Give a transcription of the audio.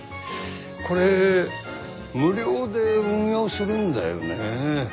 これ無料で運用するんだよね？